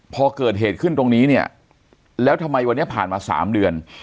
พอเกิดเหตุขึ้นตรงนี้เนี่ยแล้วทำไมวันนี้ผ่านมา๓เดือน